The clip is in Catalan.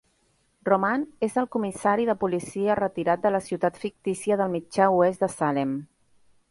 Roman es el comissari de policia retirat de la ciutat fictícia del mitjà oest de Salem.